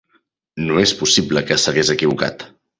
No és possible que s'hagués equivocat.